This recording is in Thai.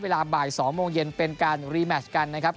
เวลาบ่าย๒โมงเย็นเป็นการรีแมชกันนะครับ